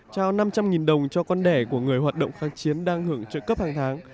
trao năm trăm linh đồng cho con đẻ của người hoạt động kháng chiến đang hưởng trợ cấp hàng tháng